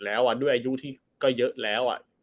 แล้วด้วยอายุที่ก็เยอะแล้ว